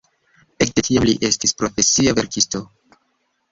Ekde tiam li estis profesia verkisto.